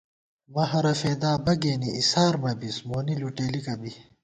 مَہَرہ فېدا بہ گېنی اِسار مہ بِس مونی لُٹېلِکہ بی